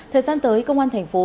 thời gian tới công an thành phố